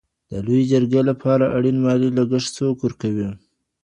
د لویې جرګي لپاره اړین مالي لګښت څوک ورکوي؟